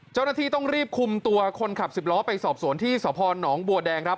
เจ้าหน้าที่ต้องรีบคุมตัวคนขับสิบล้อไปสอบสวนที่สพหนองบัวแดงครับ